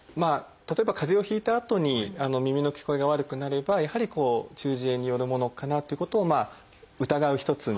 例えば風邪をひいたあとに耳の聞こえが悪くなればやはり中耳炎によるものかなってことをまあ疑う一つの。